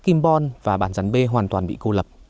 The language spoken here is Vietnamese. kim bon và bản dàn b hoàn toàn bị cô lập